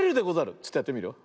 ちょっとやってみるよ。